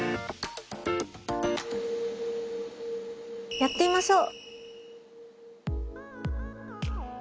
やってみましょう。